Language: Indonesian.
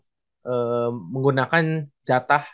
ada beberapa tim yang memang ada